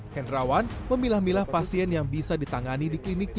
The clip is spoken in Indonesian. hendrawan memilah milah pasien yang bisa ditangani di kliniknya